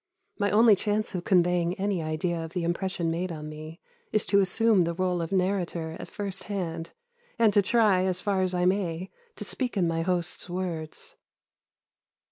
My only chance of conveying any idea of the impression made on me is to assume the rôle of narrator at first hand, and to try, as far as I may, to speak in my host's words.